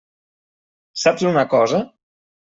Saps una cosa?